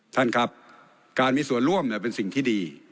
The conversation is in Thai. ท่านครับการมีส่วนร่วมเป็นสิ่งที่ดี